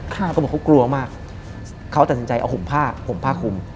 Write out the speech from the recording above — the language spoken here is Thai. เขากลัวมากเขาตัดสินใจเอาห่มผ้าคุม